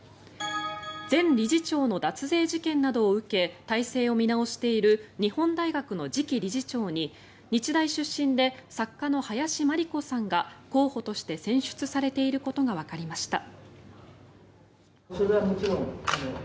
前理事長の脱税事件などを受け体制を見直している日本大学の次期理事長に日大出身で作家の林真理子さんが候補として選出されていることがわかりました。